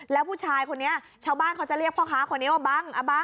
แล้วผู้ชายคนนี้ชาวบ้านเขาจะเรียกพ่อค้าคนนี้ว่าบัง